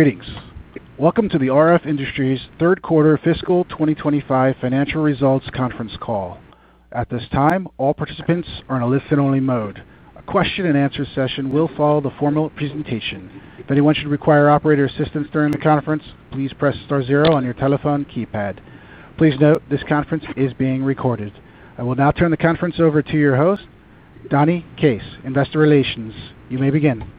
Greetings. Welcome to the RF Industries Ltd third quarter fiscal 2025 financial results conference call. At this time, all participants are in a listen-only mode. A question and answer session will follow the formal presentation. If anyone should require operator assistance during the conference, please press star zero on your telephone keypad. Please note this conference is being recorded. I will now turn the conference over to your host, Donni Case, Investor Relations. You may begin.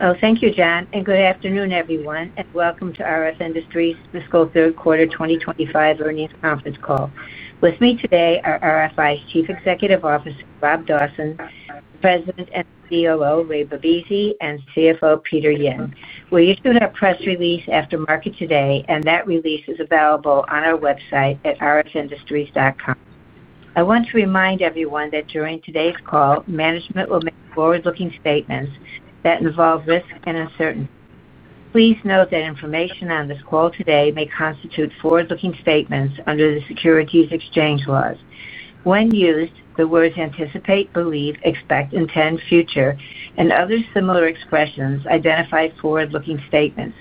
Oh, thank you, John, and good afternoon, everyone, and welcome to RF Industries Ltd fiscal third quarter 2025 earnings conference call. With me today are RF Industries Ltd Chief Executive Officer, Rob Dawson, President and COO, Ray Bibisi, and CFO, Peter Yin. We're issuing a press release after market today, and that release is available on our website at rfindustries.com. I want to remind everyone that during today's call, management will make forward-looking statements that involve risk and uncertainty. Please note that information on this call today may constitute forward-looking statements under the securities exchange laws. When used, the words anticipate, believe, expect, intend, future, and other similar expressions identify forward-looking statements.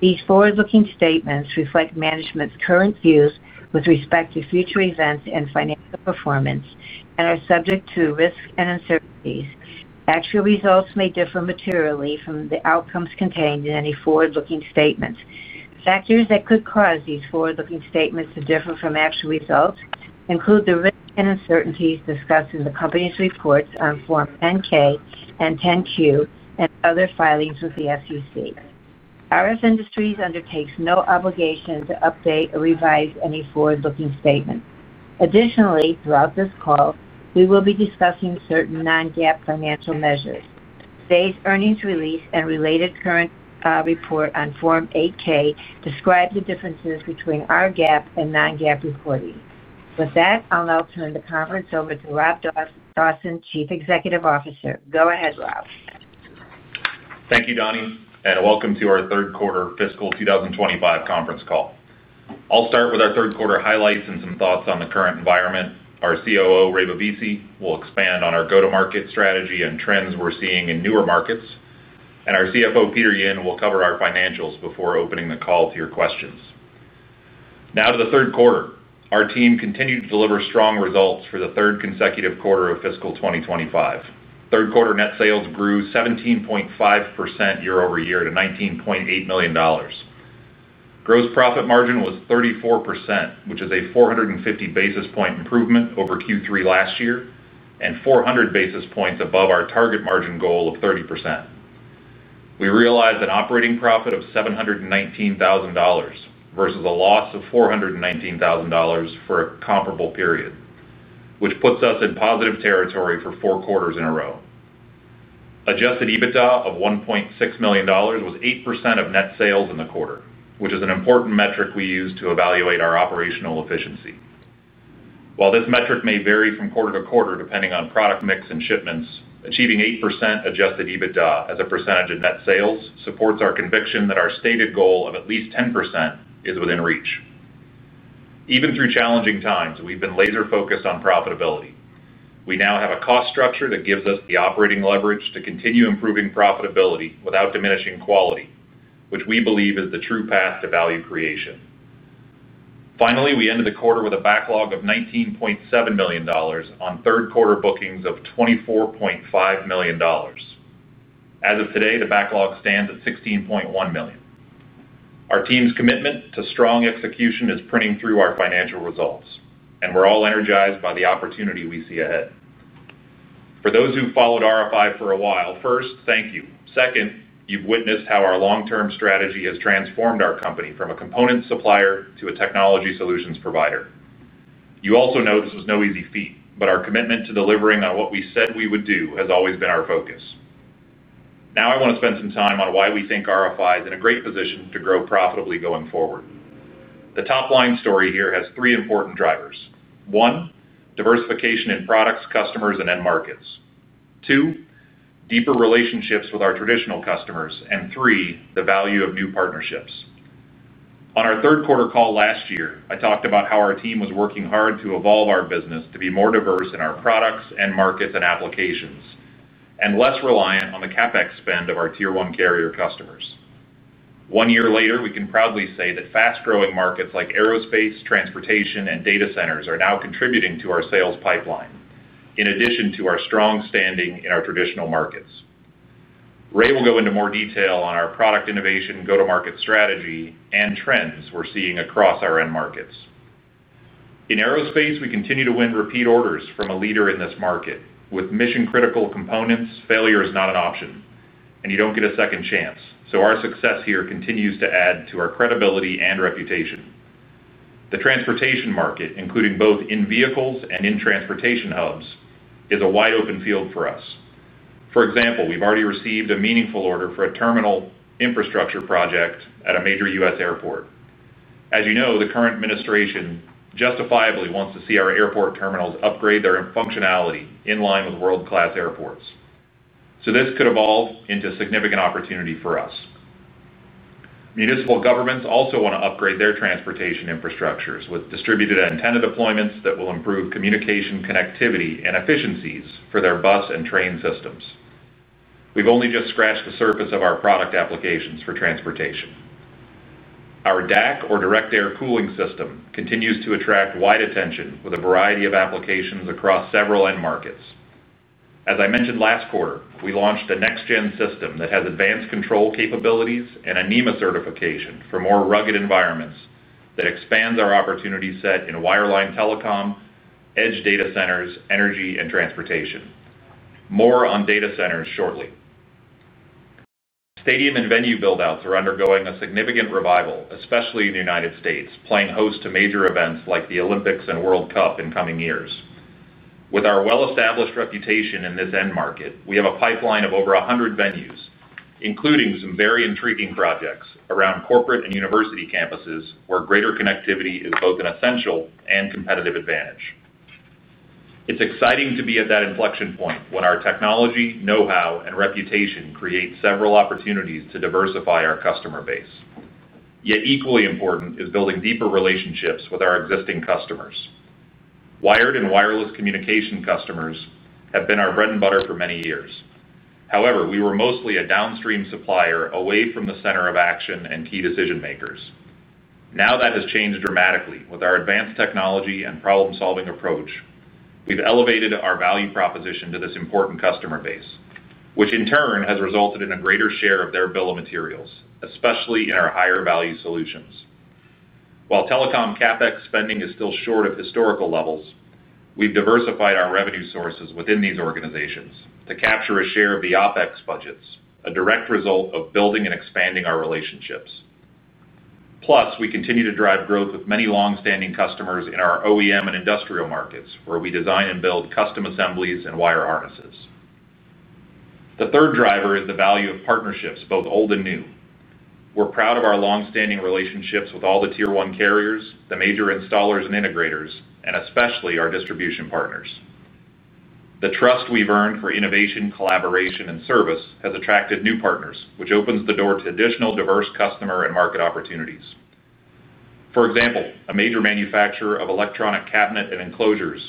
These forward-looking statements reflect management's current views with respect to future events and financial performance and are subject to risk and uncertainties. Actual results may differ materially from the outcomes contained in any forward-looking statements. Factors that could cause these forward-looking statements to differ from actual results include the risk and uncertainties discussed in the company's reports on Form 10-K and 10-Q and other filings with the SEC. RF Industries Ltd undertakes no obligation to update or revise any forward-looking statements. Additionally, throughout this call, we will be discussing certain non-GAAP financial measures. Today's earnings release and related current report on Form 8-K describe the differences between our GAAP and non-GAAP reporting. With that, I'll now turn the conference over to Rob Dawson, Chief Executive Officer. Go ahead, Rob. Thank you, Donni, and welcome to our third quarter fiscal 2025 conference call. I'll start with our third quarter highlights and some thoughts on the current environment. Our COO, Ray Bibisi, will expand on our go-to-market strategy and trends we're seeing in newer markets, and our CFO, Peter Yin, will cover our financials before opening the call to your questions. Now to the third quarter. Our team continued to deliver strong results for the third consecutive quarter of fiscal 2025. Third quarter net sales grew 17.5% year over year to $19.8 million. Gross profit margin was 34%, which is a 450 basis point improvement over Q3 last year and 400 basis points above our target margin goal of 30%. We realized an operating profit of $719,000 versus a loss of $419,000 for a comparable period, which puts us in positive territory for four quarters in a row. Adjusted EBITDA of $1.6 million was 8% of net sales in the quarter, which is an important metric we use to evaluate our operational efficiency. While this metric may vary from quarter to quarter depending on product mix and shipments, achieving 8% adjusted EBITDA as a percentage of net sales supports our conviction that our stated goal of at least 10% is within reach. Even through challenging times, we've been laser-focused on profitability. We now have a cost structure that gives us the operating leverage to continue improving profitability without diminishing quality, which we believe is the true path to value creation. Finally, we ended the quarter with a backlog of $19.7 million on third quarter bookings of $24.5 million. As of today, the backlog stands at $16.1 million. Our team's commitment to strong execution is printing through our financial results, and we're all energized by the opportunity we see ahead. For those who've followed RF Industries Ltd for a while, first, thank you. Second, you've witnessed how our long-term strategy has transformed our company from a component supplier to a technology solutions provider. You also know this was no easy feat, but our commitment to delivering on what we said we would do has always been our focus. Now I want to spend some time on why we think RF Industries Ltd is in a great position to grow profitably going forward. The top line story here has three important drivers: one, diversification in products, customers, and end markets; two, deeper relationships with our traditional customers; and three, the value of new partnerships. On our third quarter call last year, I talked about how our team was working hard to evolve our business to be more diverse in our products, end markets, and applications, and less reliant on the CapEx spend of our tier one carrier customers. One year later, we can proudly say that fast-growing markets like aerospace, transportation, and data centers are now contributing to our sales pipeline in addition to our strong standing in our traditional markets. Ray will go into more detail on our product innovation, go-to-market strategy, and trends we're seeing across our end markets. In aerospace, we continue to win repeat orders from a leader in this market. With mission-critical components, failure is not an option, and you don't get a second chance. Our success here continues to add to our credibility and reputation. The transportation market, including both in vehicles and in transportation hubs, is a wide open field for us. For example, we've already received a meaningful order for a terminal infrastructure project at a major U.S. airport. As you know, the current administration justifiably wants to see our airport terminals upgrade their functionality in line with world-class airports. This could evolve into a significant opportunity for us. Municipal governments also want to upgrade their transportation infrastructures with distributed antenna deployments that will improve communication, connectivity, and efficiencies for their bus and train systems. We've only just scratched the surface of our product applications for transportation. Our DAC thermal cooling systems continue to attract wide attention with a variety of applications across several end markets. As I mentioned last quarter, we launched a next-gen system that has advanced control capabilities and ANIMA certification for more rugged environments that expands our opportunity set in wireline telecom, edge data centers, energy, and transportation. More on data centers shortly. Stadium and venue buildouts are undergoing a significant revival, especially in the U.S., playing host to major events like the Olympics and World Cup in coming years. With our well-established reputation in this end market, we have a pipeline of over 100 venues, including some very intriguing projects around corporate and university campuses where greater connectivity is both an essential and competitive advantage. It's exciting to be at that inflection point when our technology, know-how, and reputation create several opportunities to diversify our customer base. Yet equally important is building deeper relationships with our existing customers. Wired and wireless communication customers have been our bread and butter for many years. However, we were mostly a downstream supplier away from the center of action and key decision makers. Now that has changed dramatically with our advanced technology and problem-solving approach. We've elevated our value proposition to this important customer base, which in turn has resulted in a greater share of their bill of materials, especially in our higher value solutions. While telecom CapEx spending is still short of historical levels, we've diversified our revenue sources within these organizations to capture a share of the OpEx budgets, a direct result of building and expanding our relationships. Plus, we continue to drive growth with many longstanding customers in our OEM and industrial markets where we design and build custom assemblies and wire harnesses. The third driver is the value of partnerships, both old and new. We're proud of our longstanding relationships with all the tier one carriers, the major installers and integrators, and especially our distribution partners. The trust we've earned for innovation, collaboration, and service has attracted new partners, which opens the door to additional diverse customer and market opportunities. For example, a major manufacturer of electronic cabinet and enclosures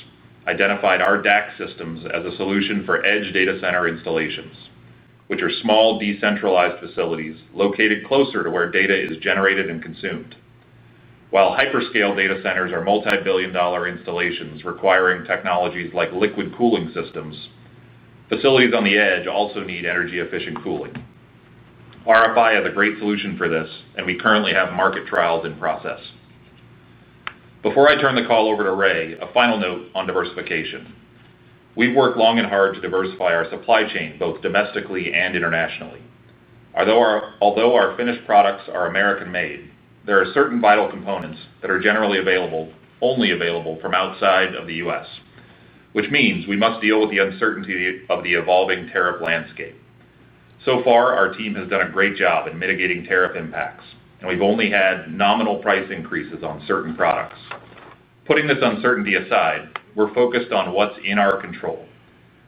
identified our DAC thermal cooling systems as a solution for edge data center installations, which are small decentralized facilities located closer to where data is generated and consumed. While hyperscale data centers are multi-billion dollar installations requiring technologies like liquid cooling systems, facilities on the edge also need energy-efficient cooling. RF Industries Ltd is a great solution for this, and we currently have market trials in process. Before I turn the call over to Ray, a final note on diversification. We've worked long and hard to diversify our supply chain both domestically and internationally. Although our finished products are American made, there are certain vital components that are generally available only from outside of the U.S., which means we must deal with the uncertainty of the evolving tariff landscape. So far, our team has done a great job in mitigating tariff impacts, and we've only had nominal price increases on certain products. Putting this uncertainty aside, we're focused on what's in our control,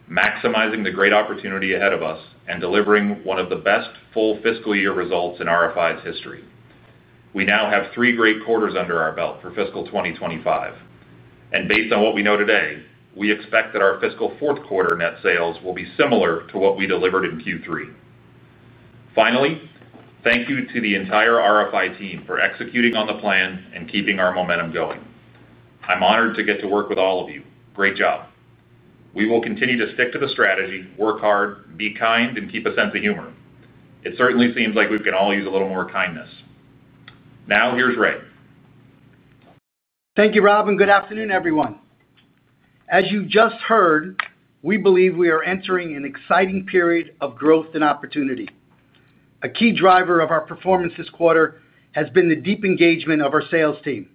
maximizing the great opportunity ahead of us, and delivering one of the best full fiscal year results in RF Industries Ltd's history. We now have three great quarters under our belt for fiscal 2025, and based on what we know today, we expect that our fiscal fourth quarter net sales will be similar to what we delivered in Q3. Finally, thank you to the entire RF Industries Ltd team for executing on the plan and keeping our momentum going. I'm honored to get to work with all of you. Great job. We will continue to stick to the strategy, work hard, be kind, and keep a sense of humor. It certainly seems like we can all use a little more kindness. Now, here's Ray. Thank you, Rob, and good afternoon, everyone. As you just heard, we believe we are entering an exciting period of growth and opportunity. A key driver of our performance this quarter has been the deep engagement of our sales team.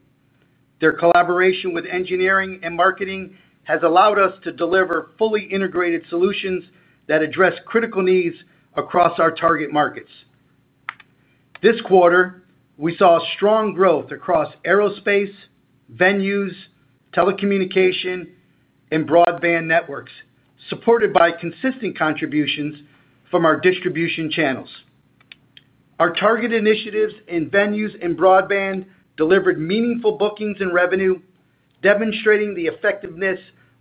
Their collaboration with engineering and marketing has allowed us to deliver fully integrated solutions that address critical needs across our target markets. This quarter, we saw strong growth across aerospace, venues, telecommunication, and broadband networks, supported by consistent contributions from our distribution channels. Our target initiatives in venues and broadband delivered meaningful bookings and revenue, demonstrating the effectiveness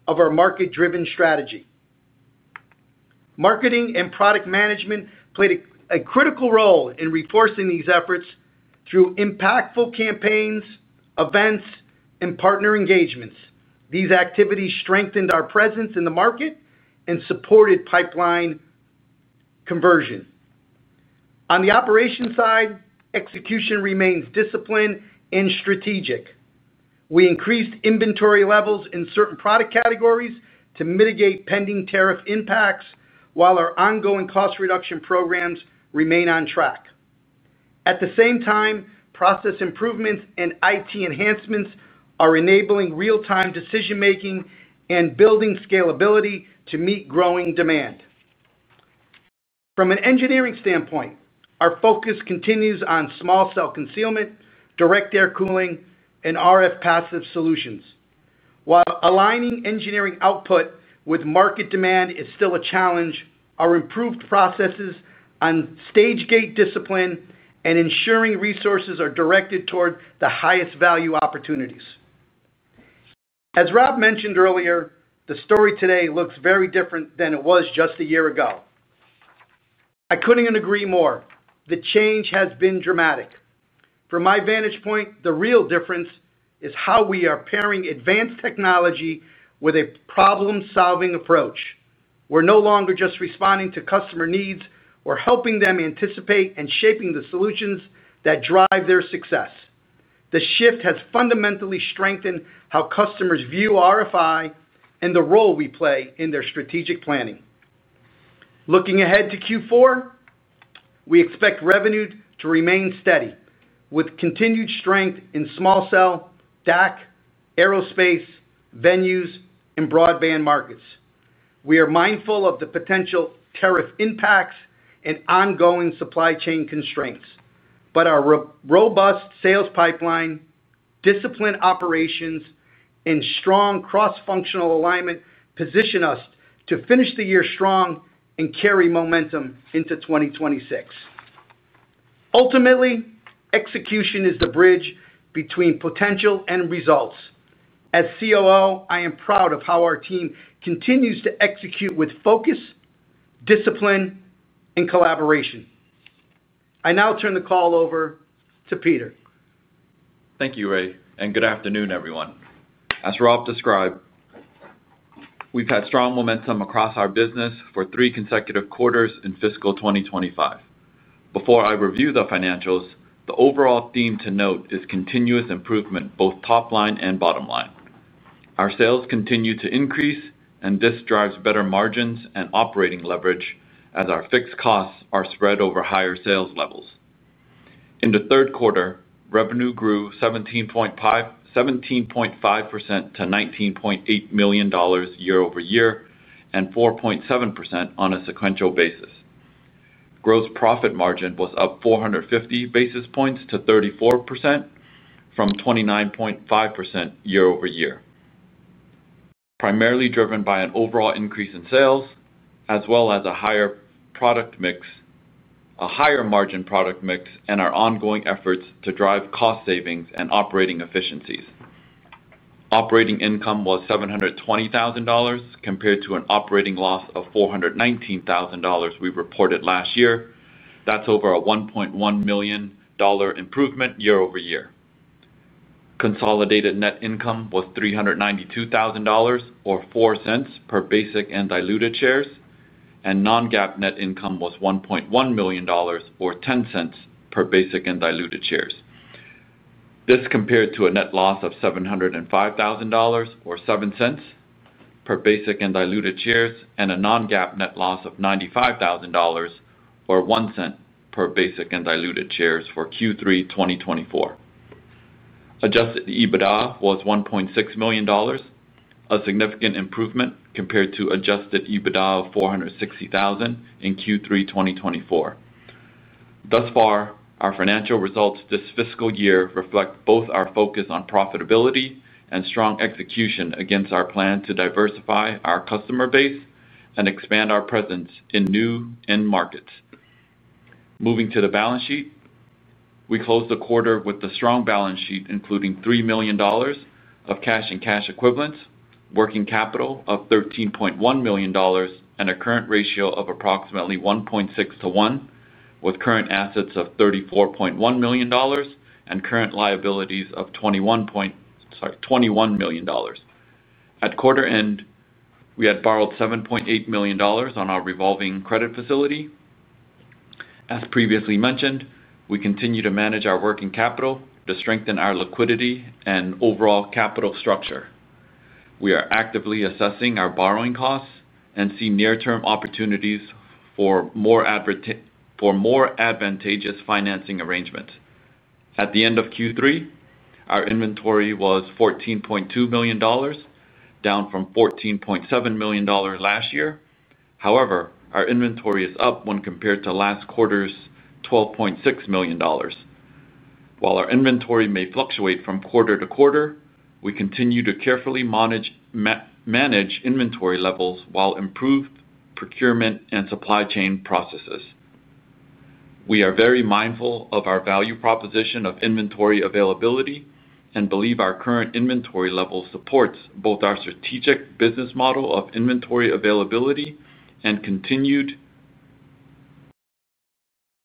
of our market-driven strategy. Marketing and product management played a critical role in reinforcing these efforts through impactful campaigns, events, and partner engagements. These activities strengthened our presence in the market and supported pipeline conversion. On the operations side, execution remains disciplined and strategic. We increased inventory levels in certain product categories to mitigate pending tariff impacts, while our ongoing cost reduction programs remain on track. At the same time, process improvements and IT enhancements are enabling real-time decision making and building scalability to meet growing demand. From an engineering standpoint, our focus continues on small cell concealment solutions, DAC thermal cooling systems, and integrated RF passive solutions. While aligning engineering output with market demand is still a challenge, our improved processes on stage gate discipline and ensuring resources are directed toward the highest value opportunities. As Rob mentioned earlier, the story today looks very different than it was just a year ago. I couldn't agree more. The change has been dramatic. From my vantage point, the real difference is how we are pairing advanced technology with a problem-solving approach. We're no longer just responding to customer needs; we're helping them anticipate and shaping the solutions that drive their success. The shift has fundamentally strengthened how customers view RF Industries Ltd and the role we play in their strategic planning. Looking ahead to Q4, we expect revenue to remain steady with continued strength in small cell concealment solutions, DAC thermal cooling systems, aerospace, venues, and broadband markets. We are mindful of the potential tariff impacts and ongoing supply chain constraints, but our robust sales pipeline, disciplined operations, and strong cross-functional alignment position us to finish the year strong and carry momentum into 2026. Ultimately, execution is the bridge between potential and results. As Chief Operating Officer, I am proud of how our team continues to execute with focus, discipline, and collaboration. I now turn the call over to Peter. Thank you, Ray, and good afternoon, everyone. As Rob described, we've had strong momentum across our business for three consecutive quarters in fiscal 2025. Before I review the financials, the overall theme to note is continuous improvement, both top line and bottom line. Our sales continue to increase, and this drives better margins and operating leverage as our fixed costs are spread over higher sales levels. In the third quarter, revenue grew 17.5% to $19.8 million year over year and 4.7% on a sequential basis. Gross profit margin was up 450 basis points to 34% from 29.5% year over year, primarily driven by an overall increase in sales as well as a higher margin product mix and our ongoing efforts to drive cost savings and operating efficiencies. Operating income was $720,000 compared to an operating loss of $419,000 we reported last year. That's over a $1.1 million improvement year over year. Consolidated net income was $392,000 or $0.04 per basic and diluted shares, and non-GAAP net income was $1.1 million or $0.10 per basic and diluted shares. This compared to a net loss of $705,000 or $0.07 per basic and diluted shares and a non-GAAP net loss of $95,000 or $0.01 per basic and diluted shares for Q3 2024. Adjusted EBITDA was $1.6 million, a significant improvement compared to adjusted EBITDA of $460,000 in Q3 2024. Thus far, our financial results this fiscal year reflect both our focus on profitability and strong execution against our plan to diversify our customer base and expand our presence in new end markets. Moving to the balance sheet, we close the quarter with a strong balance sheet including $3 million of cash and cash equivalents, working capital of $13.1 million, and a current ratio of approximately 1.6 to 1, with current assets of $34.1 million and current liabilities of $21 million. At quarter end, we had borrowed $7.8 million on our revolving credit facility. As previously mentioned, we continue to manage our working capital to strengthen our liquidity and overall capital structure. We are actively assessing our borrowing costs and see near-term opportunities for more advantageous financing arrangements. At the end of Q3, our inventory was $14.2 million, down from $14.7 million last year. However, our inventory is up when compared to last quarter's $12.6 million. While our inventory may fluctuate from quarter to quarter, we continue to carefully manage inventory levels while improving procurement and supply chain processes. We are very mindful of our value proposition of inventory availability and believe our current inventory level supports both our strategic business model of inventory availability and continued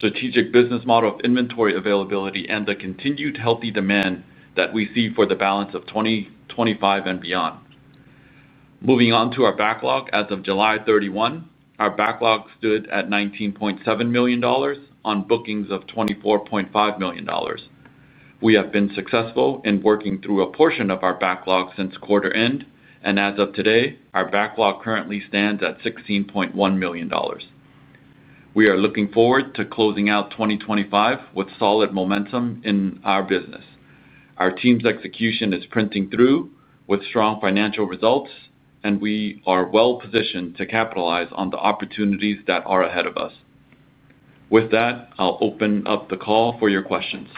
healthy demand that we see for the balance of 2025 and beyond. Moving on to our backlog, as of July 31, our backlog stood at $19.7 million on bookings of $24.5 million. We have been successful in working through a portion of our backlog since quarter end, and as of today, our backlog currently stands at $16.1 million. We are looking forward to closing out 2025 with solid momentum in our business. Our team's execution is printing through with strong financial results, and we are well positioned to capitalize on the opportunities that are ahead of us. With that, I'll open up the call for your questions.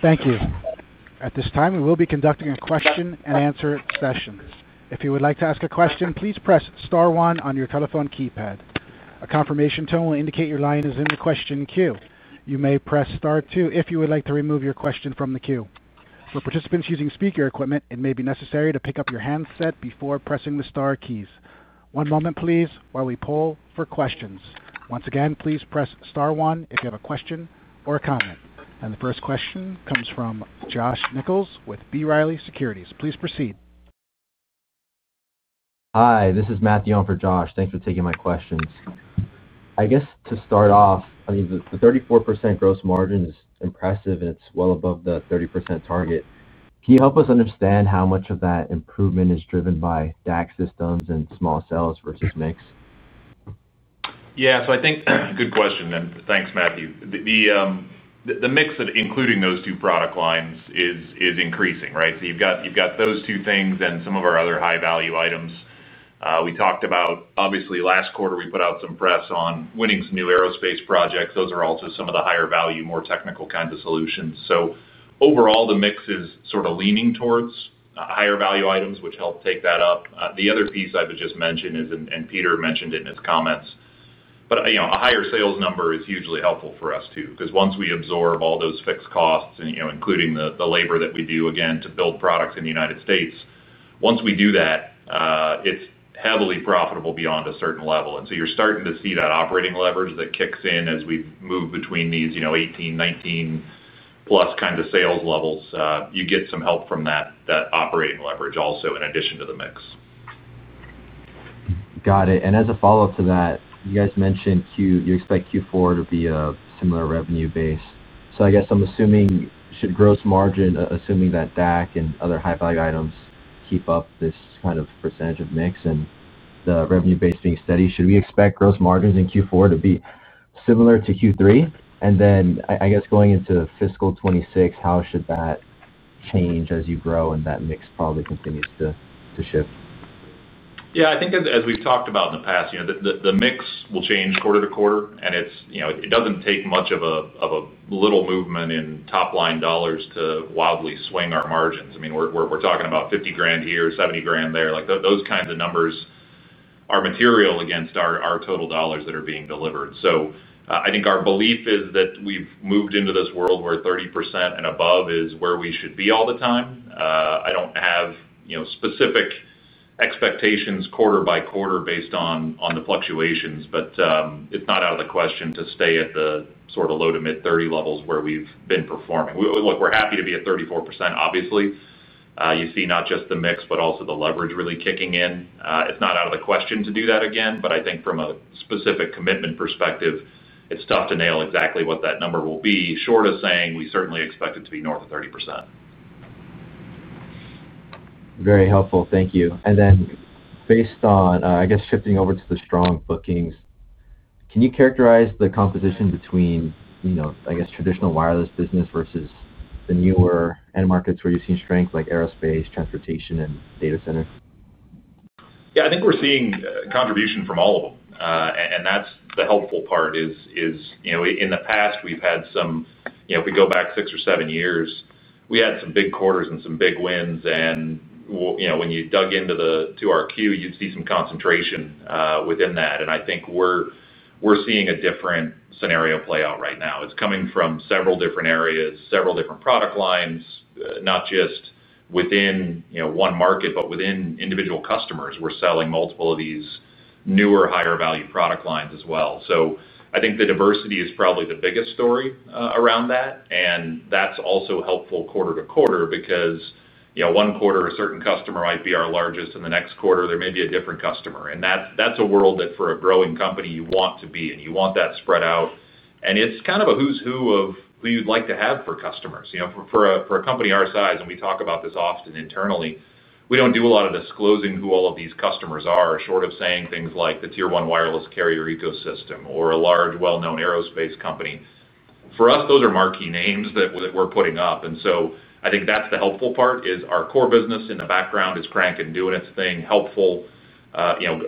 Thank you. At this time, we will be conducting a question and answer session. If you would like to ask a question, please press star one on your telephone keypad. A confirmation tone will indicate your line is in the question queue. You may press star two if you would like to remove your question from the queue. For participants using speaker equipment, it may be necessary to pick up your handset before pressing the star keys. One moment, please, while we poll for questions. Once again, please press star one if you have a question or a comment. The first question comes from Josh Nichols with B. Reilly Securities. Please proceed. Hi, this is Matthew on for Josh. Thanks for taking my questions. I guess to start off, I mean, the 34% gross margin is impressive, and it's well above the 30% target. Can you help us understand how much of that improvement is driven by DAC thermal cooling systems and small cells versus mix? Yeah, I think good question, and thanks, Matthew. The mix that including those two product lines is increasing, right? You've got those two things and some of our other high-value items. We talked about, obviously, last quarter we put out some press on winning some new aerospace projects. Those are also some of the higher value, more technical kinds of solutions. Overall, the mix is sort of leaning towards higher value items, which help take that up. The other piece I would just mention is, and Peter mentioned it in his comments, a higher sales number is hugely helpful for us too, because once we absorb all those fixed costs, including the labor that we do, again, to build products in the U.S., once we do that, it's heavily profitable beyond a certain level. You're starting to see that operating leverage that kicks in as we move between these, you know, 18, 19 plus kind of sales levels. You get some help from that operating leverage also in addition to the mix. Got it. As a follow-up to that, you guys mentioned you expect Q4 to be a similar revenue base. I guess I'm assuming, should gross margin, assuming that DAC thermal cooling systems and other high-value items keep up this kind of % of mix and the revenue base being steady, should we expect gross margins in Q4 to be similar to Q3? I guess going into fiscal 2026, how should that change as you grow and that mix probably continues to shift? Yeah, I think as we've talked about in the past, the mix will change quarter to quarter, and it doesn't take much of a little movement in top line dollars to wildly swing our margins. We're talking about $50,000 here, $70,000 there. Those kinds of numbers are material against our total dollars that are being delivered. I think our belief is that we've moved into this world where 30% and above is where we should be all the time. I don't have specific expectations quarter by quarter based on the fluctuations, but it's not out of the question to stay at the sort of low to mid 30% levels where we've been performing. Look, we're happy to be at 34%, obviously. You see not just the mix, but also the leverage really kicking in. It's not out of the question to do that again, but I think from a specific commitment perspective, it's tough to nail exactly what that number will be. Short of saying, we certainly expect it to be north of 30%. Very helpful. Thank you. Based on, I guess, shifting over to the strong bookings, can you characterize the competition between, you know, I guess, traditional wireless business versus the newer end markets where you've seen strength like aerospace, transportation, and data center? Yeah, I think we're seeing a contribution from all of them. That's the helpful part, you know, in the past we've had some, you know, if we go back six or seven years, we had some big quarters and some big wins. When you dug into the Q4, you'd see some concentration within that. I think we're seeing a different scenario play out right now. It's coming from several different areas, several different product lines, not just within one market, but within individual customers. We're selling multiple of these newer, higher value product lines as well. I think the diversity is probably the biggest story around that. That's also helpful quarter to quarter because one quarter a certain customer might be our largest, and the next quarter there may be a different customer. That's a world that for a growing company you want to be in. You want that spread out. It's kind of a who's who of who you'd like to have for customers. For a company our size, and we talk about this often internally, we don't do a lot of disclosing who all of these customers are, short of saying things like the tier one wireless carrier ecosystem or a large well-known aerospace company. For us, those are marquee names that we're putting up. I think that's the helpful part, our core business in the background is cranking and doing its thing,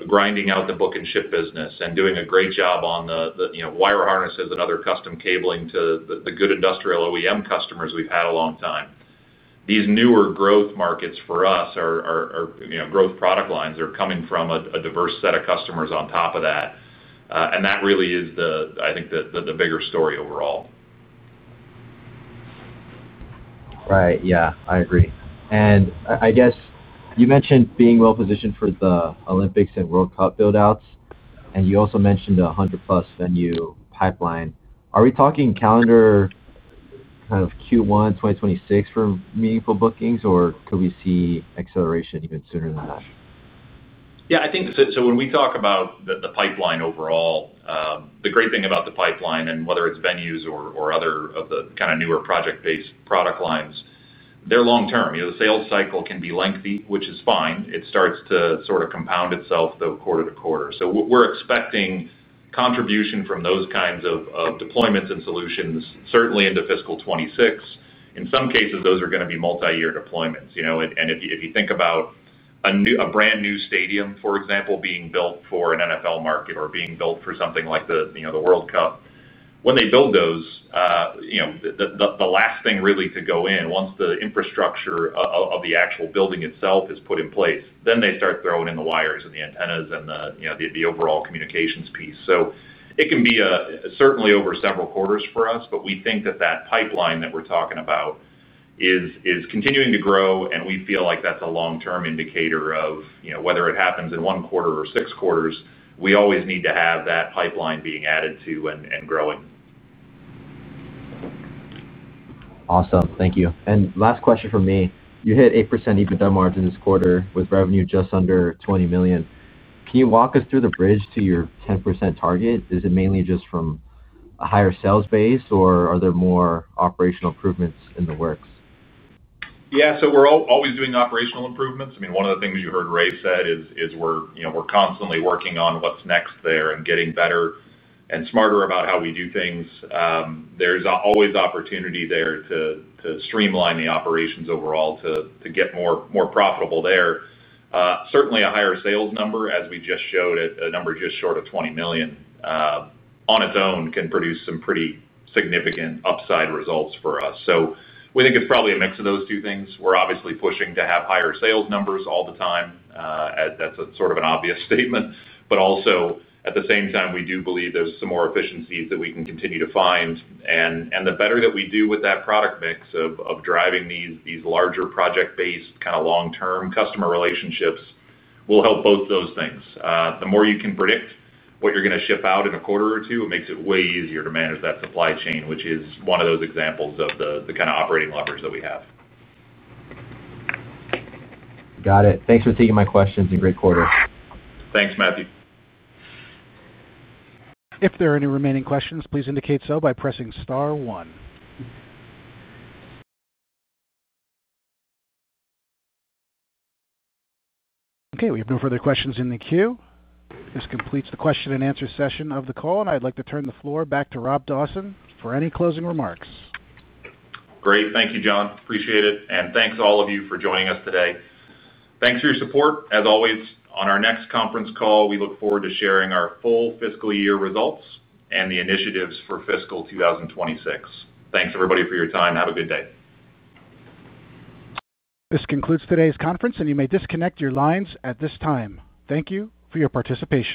grinding out the book and ship business and doing a great job on the wire harnesses and other custom cabling to the good industrial OEM customers we've had a long time. These newer growth markets for us are, you know, growth product lines are coming from a diverse set of customers on top of that. That really is, I think, the bigger story overall. Right. Yeah, I agree. I guess you mentioned being well positioned for the Olympics and World Cup buildouts, and you also mentioned the 100+ venue pipeline. Are we talking calendar kind of Q1 2026 for meaningful bookings, or could we see acceleration even sooner than that? Yeah, I think, so when we talk about the pipeline overall, the great thing about the pipeline and whether it's venues or other of the kind of newer project-based product lines, they're long term. The sales cycle can be lengthy, which is fine. It starts to sort of compound itself though quarter to quarter. We're expecting contribution from those kinds of deployments and solutions certainly into fiscal 2026. In some cases, those are going to be multi-year deployments. If you think about a brand new stadium, for example, being built for an NFL market or being built for something like the World Cup, when they build those, the last thing really to go in, once the infrastructure of the actual building itself is put in place, is they start throwing in the wires and the antennas and the overall communications piece. It can be certainly over several quarters for us, but we think that that pipeline that we're talking about is continuing to grow, and we feel like that's a long-term indicator of, you know, whether it happens in one quarter or six quarters, we always need to have that pipeline being added to and growing. Awesome. Thank you. Last question from me. You hit 8% EBITDA margin this quarter with revenue just under $20 million. Can you walk us through the bridge to your 10% target? Is it mainly just from a higher sales base, or are there more operational improvements in the works? Yeah, so we're always doing operational improvements. One of the things you heard Ray said is we're constantly working on what's next there and getting better and smarter about how we do things. There's always opportunity there to streamline the operations overall to get more profitable there. Certainly, a higher sales number, as we just showed, a number just short of $20 million, on its own can produce some pretty significant upside results for us. We think it's probably a mix of those two things. We're obviously pushing to have higher sales numbers all the time. That's sort of an obvious statement. At the same time, we do believe there's some more efficiencies that we can continue to find. The better that we do with that product mix of driving these larger project-based kind of long-term customer relationships will help both those things. The more you can predict what you're going to ship out in a quarter or two, it makes it way easier to manage that supply chain, which is one of those examples of the kind of operating levers that we have. Got it. Thanks for taking my questions. You have a great quarter. Thanks, Matthew. If there are any remaining questions, please indicate so by pressing star one. Okay, we have no further questions in the queue. This completes the question and answer session of the call, and I'd like to turn the floor back to Rob Dawson for any closing remarks. Great. Thank you, John. Appreciate it. Thanks all of you for joining us today. Thanks for your support. On our next conference call, we look forward to sharing our full fiscal year results and the initiatives for fiscal 2026. Thanks, everybody, for your time. Have a good day. This concludes today's conference, and you may disconnect your lines at this time. Thank you for your participation.